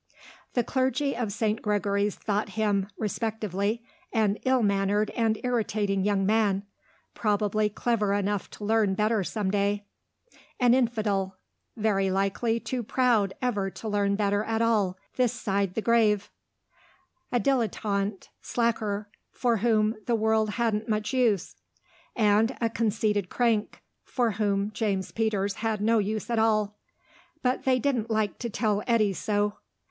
The clergy of St. Gregory's thought him (respectively) an ill mannered and irritating young man, probably clever enough to learn better some day; an infidel, very likely too proud ever to learn better at all, this side the grave; a dilettante slacker, for whom the world hadn't much use; and a conceited crank, for whom James Peters had no use at all. But they didn't like to tell Eddy so.